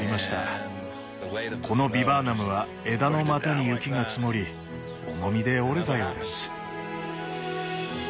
このビバーナムは枝の股に雪が積もり重みで折れたようです。